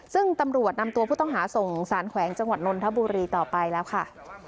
ซึ่งตำรวจนำตัวผู้ต้องหาส่งสารแขวงจังหวัดนนทบุรีต่อไปแล้วค่ะ